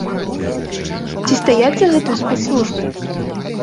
Ці стаяць за гэтым спецслужбы?